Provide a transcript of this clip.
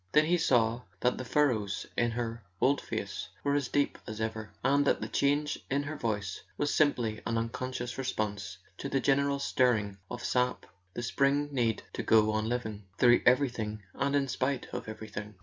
Then he saw that the furrows in her old face were as deep as ever, and that the change in her voice was simply an unconscious response to the general stirring of sap, the spring need to go on living, through everything and in spite of everything.